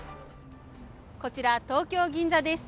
こちら、東京・銀座です。